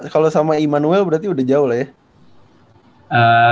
kalo sama immanuel berarti udah jauh lah ya